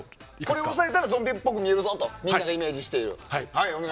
これを押さえたらゾンビっぽく見えるぞとみんながイメージしている。